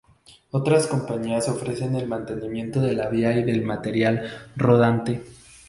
Otras compañías ofrecen el mantenimiento de la vía y del material rodante.